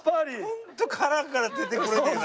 ホント殻から出てこれねえな。